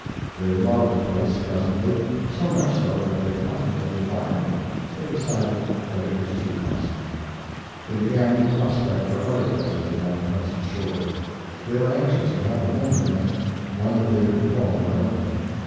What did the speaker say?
They loved the place presently, so much so that they contemplated buying it, but decided that it was too costly. They began to prospect for other places along the Hudson shore. They were anxious to have a home again one that they could call their own.